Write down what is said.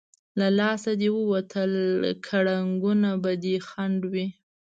که له لاسه دې ووتل، کړنګونه به دې خنډ وي.